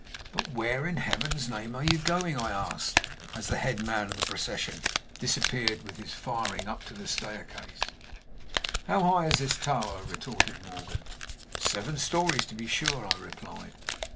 "But where, in Heaven's name, are you going?" I asked, as the head man of the procession disappeared with his firing up the staircase. "How high is this tower?" retorted Morgan. "Seven stories, to be sure," I replied.